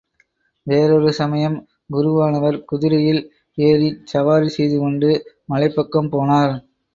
வேறொரு சமயம், குருவானவர் குதிரையில் ஏறிச் சவாரி செய்துகொண்டு மலைப்பக்கம் போனார்.